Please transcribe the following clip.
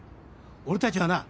俺たちはな